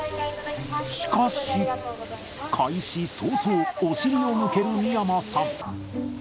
しかし、開始早々、お尻を向ける見山さん。